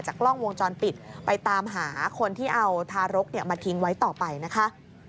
กล้องวงจรปิดไปตามหาคนที่เอาทารกมาทิ้งไว้ต่อไปนะคะ